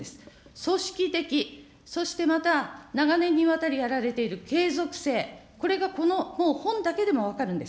組織的、そしてまた、長年にわたりやられている継続性、これがこの本だけでも分かるんです。